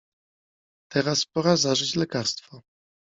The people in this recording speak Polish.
Teraz pora zażyć lekarstwo!